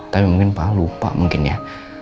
tapi mungkin pak lupa mungkin ya